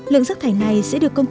lượng rác thải này sẽ được công bố